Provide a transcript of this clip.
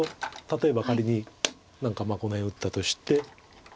例えば仮に何かこの辺打ったとして。